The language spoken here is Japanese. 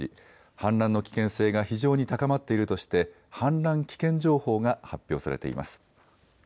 氾濫の危険性が非常に高まっているとして氾濫危険情報が発表されています。